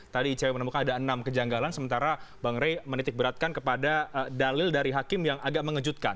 tadi icw menemukan ada enam kejanggalan sementara bang rey menitik beratkan kepada dalil dari hakim yang agak mengejutkan